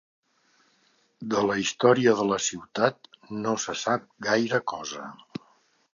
De la història de la ciutat no se sap gaire cosa.